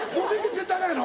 絶対アカンやろ？